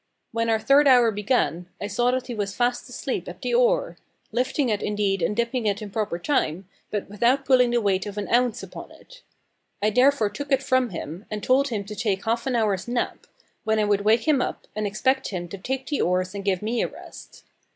When our third hour began, I saw that he was fast asleep at the oar lifting it indeed and dipping it in proper time, but without pulling the weight of an ounce upon it. I therefore took it from him, and told him to take half an hour's nap, when I would wake him up, and expect him to take the oars and give me a rest.